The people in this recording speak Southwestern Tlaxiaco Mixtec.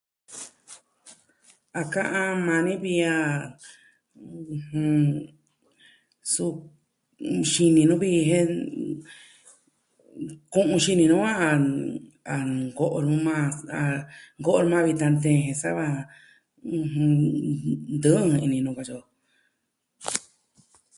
A ka'an maa ni vi a... ɨjɨn... Suu n...xini nu vi ji jen ku'un xini nuu a... a nko'o nu majan ah... nko'o na vitan teen jen sava... ɨjɨn... ntɨɨn ini nu katyi o.